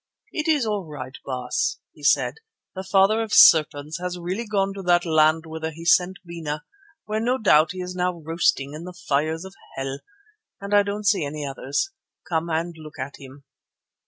"It is all right, Baas," he said. "The Father of Serpents has really gone to that land whither he sent Bena, where no doubt he is now roasting in the fires of hell, and I don't see any others. Come and look at him."